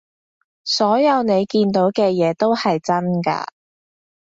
所有你見到嘅嘢都係真㗎